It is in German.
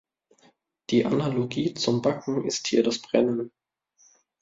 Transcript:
Die Analogie zum Backen ist hier das Brennen.